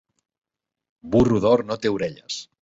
Burro d'or no té orelles.